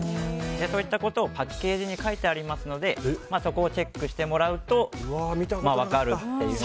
そういったことをパッケージに書いてありますのでそこをチェックしてもらうと分かるっていう。